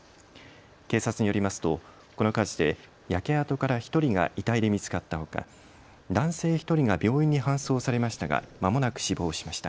警察によりますとこの火事で焼け跡から１人が遺体で見つかったほか男性１人が病院に搬送されましたがまもなく死亡しました。